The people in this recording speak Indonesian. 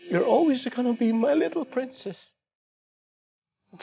kamu selalu akan menjadi putri kecilku